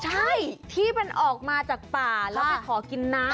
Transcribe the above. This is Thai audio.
ใช่ที่มันออกมาจากป่าแล้วไปขอกินน้ำ